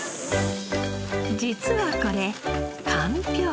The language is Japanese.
実はこれかんぴょう。